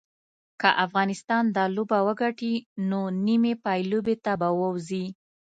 که افغانستان دا لوبه وګټي نو نیمې پایلوبې ته به ووځي